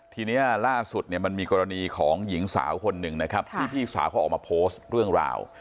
ทีนี้ล่าสุดเนี่ยมันมีกรณีของหญิงสาวคนหนึ่งนะครับที่พี่สาวเขาออกมาโพสต์เรื่องราว